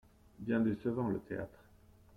Bien décevant, le théâtre…